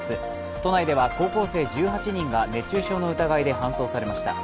都内では高校生１８人が熱中症の疑いで搬送されました。